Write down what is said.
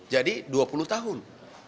jadi dua puluh tahun